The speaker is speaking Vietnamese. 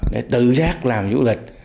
để tự giác làm du lịch